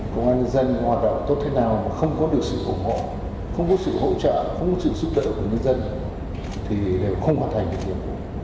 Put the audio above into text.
công an nhân dân hoạt động tốt thế nào mà không có được sự ủng hộ không có sự hỗ trợ không có sự giúp đỡ của nhân dân thì đều không hoàn thành được nhiệm vụ